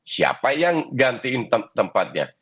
siapa yang gantiin tempatnya